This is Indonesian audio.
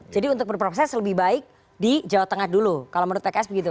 jadi untuk berproses lebih baik di jawa tengah dulu kalau menurut pks begitu